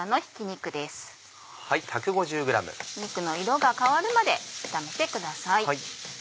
肉の色が変わるまで炒めてください。